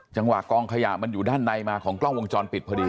จังหวะกองขยะมันอยู่ด้านในมาของกล้องวงจรปิดพอดี